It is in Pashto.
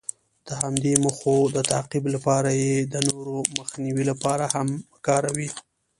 د همدې موخو د تعقیب لپاره یې د نورو د مخنیوي لپاره هم کاروي.